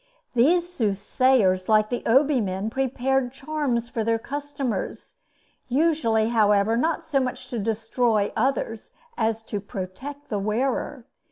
These soothsayers, like the Obi men, prepared charms for their customers, usually, however, not so much to destroy others as to protect the wearer.